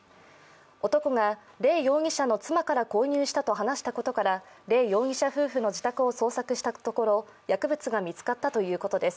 男がレ容疑者の妻から購入したと話したことからレ容疑者夫婦の自宅を捜索したところ、薬物が見つかったということです。